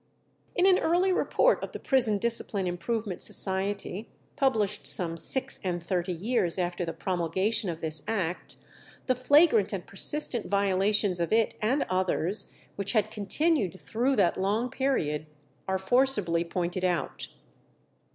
In an early report of the Prison Discipline Improvement Society, published some six and thirty years after the promulgation of this act, the flagrant and persistent violations of it and others, which had continued through that long period, are forcibly pointed out.